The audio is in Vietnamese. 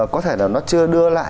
có thể là nó chưa đưa lại